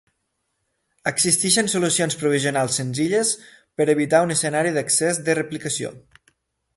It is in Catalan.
Existeixen solucions provisionals senzilles per evitar un escenari d'excés de replicació.